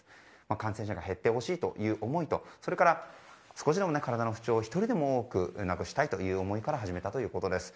感染者が減ってほしいという思いとそれから、少しでも体の不調を１人でも多くなくしたいという思いから始めたということです。